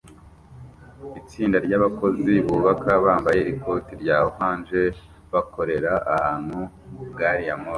Itsinda ryabakozi bubaka bambaye ikoti rya orange bakorera ahantu gariyamoshi